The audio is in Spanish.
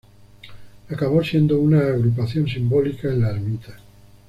Acabó siendo una agrupación simbólica en la ermita.